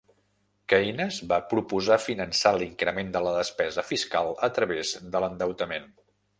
Keynes va proposar finançar l'increment de la despesa fiscal a través de l'endeutament.